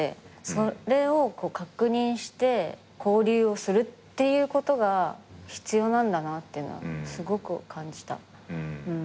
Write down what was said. それを確認して交流をするっていうことが必要なんだなってのはすごく感じた。